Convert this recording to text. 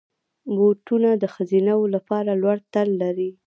بوټونه د ښځینه وو لپاره لوړ تل لري.